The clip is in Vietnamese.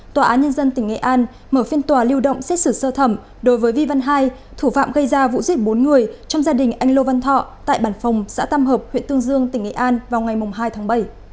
tại ra vụ giết bốn người trong gia đình anh lô văn thọ tại bản phòng xã tâm hợp huyện tương dương tỉnh nghệ an vào ngày hai tháng bảy